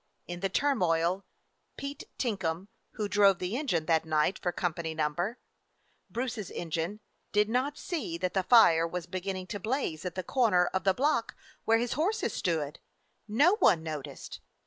In the turmoil, Pete Tinkum, who drove the engine that night for Company No. —, Bruce's engine, did not see that the fire was beginning to blaze at the corner of the block where his horses stood; no one noticed.